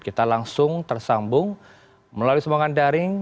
kita langsung tersambung melalui semuanya daring